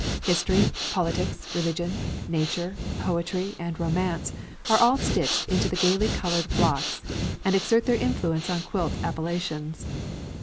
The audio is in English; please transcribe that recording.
History, politics, religion, nature, poetry, and romance, all are stitched into the gayly coloured blocks and exert their influence on quilt appellations.